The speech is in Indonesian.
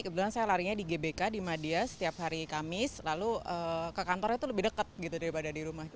kebetulan saya larinya di gbk di madia setiap hari kamis lalu ke kantor itu lebih dekat gitu daripada di rumah